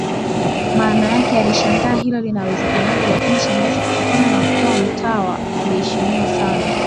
Mama yake alishangaa hilo linawezekanaje lakini shangazi kutokana na kuwa mtawa aliheshimiwa sana